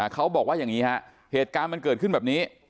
เขาบอกว่าอย่างนี้ฮะเหตุการณ์มันเกิดขึ้นแบบนี้